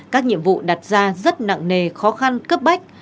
các nhiệm vụ đặt ra rất nặng nề khó khăn cấp bách